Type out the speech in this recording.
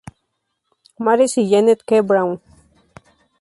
Mares y Janet K. Braun.